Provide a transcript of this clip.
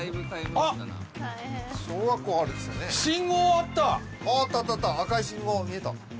あっあったあった赤い信号が見えた。